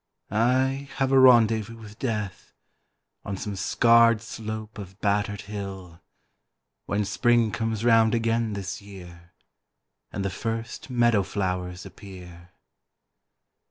I have a rendezvous with Death On some scarred slope of battered hill, When Spring comes round again this year And the first meadow flowers appear.